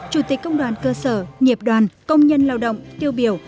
chủ tịch công đoàn cơ sở nghiệp đoàn công nhân lao động tiêu biểu